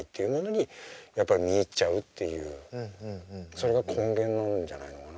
それが根源なんじゃないのかな。